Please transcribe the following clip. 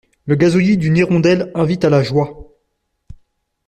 Le gazouillis d’une hirondelle invite à la joie.